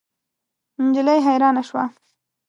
نجلۍ حیرانه شوه.